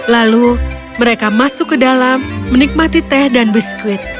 lalu mereka masuk ke dalam menikmati teh dan biskuit